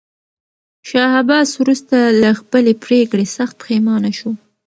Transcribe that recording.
شاه عباس وروسته له خپلې پرېکړې سخت پښېمانه شو.